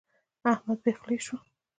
احمد بې خولې شو.